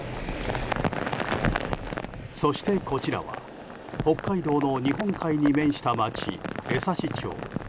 そして、こちらは北海道の日本海に面した町、江差町。